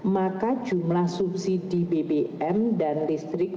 maka jumlah subsidi bbm dan listrik